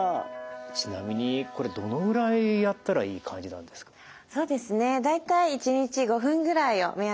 ちなみにこれどのぐらいやったらいい感じなんですか？